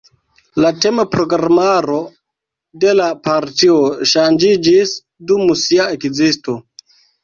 La tema programaro de la partio ŝanĝiĝis dum sia ekzisto.